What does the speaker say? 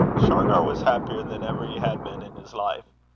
Shargar was happier than ever he had been in his life.